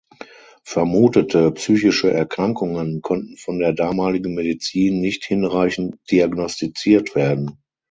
Vermutete psychische Erkrankungen konnten von der damaligen Medizin nicht hinreichend diagnostiziert werden.